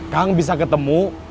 kang bisa ketemu